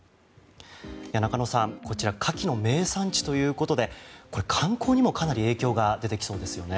中野さん、こちらカキの名産地ということでこれは観光にもかなり影響が出てきそうですよね。